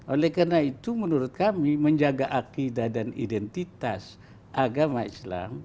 oleh karena itu menurut kami menjaga akidah dan identitas agama islam